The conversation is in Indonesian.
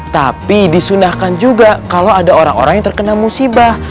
tapi disunahkan juga kalau ada orang orang yang terkena musibah